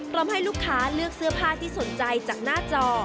พร้อมให้ลูกค้าเลือกเสื้อผ้าที่สนใจจากหน้าจอ